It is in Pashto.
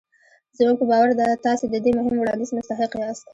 زموږ په باور تاسې د دې مهم وړانديز مستحق ياست.